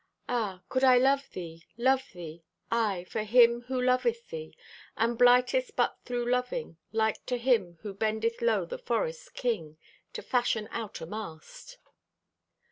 Ah, could I love thee, love thee? Aye, for Him who loveth thee, And blightest but through loving; Like to him who bendeth low the forest's king To fashion out a mast.